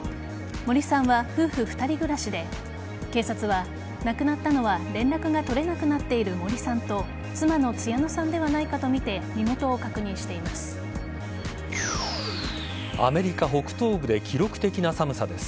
森さんは夫婦２人暮らしで警察は亡くなったのは連絡が取れなくなっている森さんと妻の華乃さんではないかとみて身元を確認しています。